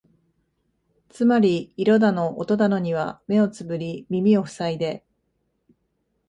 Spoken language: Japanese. つまり色だの音だのには目をつぶり耳をふさいで、